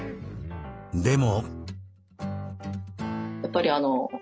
でも。